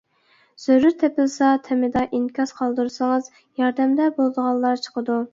زۆرۈر تېپىلسا تېمىدا ئىنكاس قالدۇرسىڭىز ياردەمدە بولىدىغانلار چىقىدۇ.